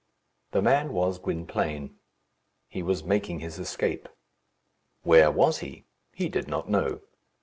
The man was Gwynplaine. He was making his escape. Where was he? He did not know.